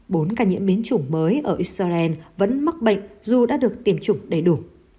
bốn ca nhiễm biến chủng mới ở israel vẫn mắc bệnh dù đã được tiêm chủng đầy đủ